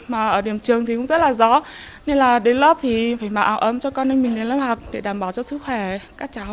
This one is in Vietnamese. mà ở điểm trường thì cũng rất là gió nên là đến lớp thì phải mặc áo ấm cho con em mình đến lớp học để đảm bảo cho sức khỏe các cháu